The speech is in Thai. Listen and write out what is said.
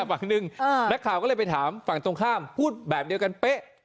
ฝั่งหนึ่งนักข่าวก็เลยไปถามฝั่งตรงข้ามพูดแบบเดียวกันเป๊ะ